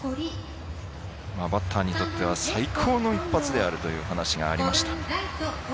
バッターにとっては最高の１発であるというお話がありました。